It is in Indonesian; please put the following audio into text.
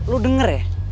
lo denger ya